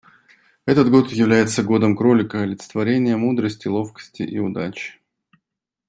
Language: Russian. Этот год является годом Кролика — олицетворения мудрости, ловкости и удачи.